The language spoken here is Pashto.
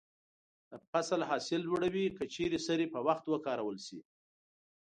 د فصل حاصل لوړوي که چیرې سرې په وخت وکارول شي.